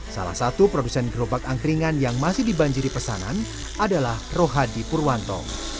salah satu produsen gerobak angkringan yang masih dibanjiri pesanan adalah rohadi purwanto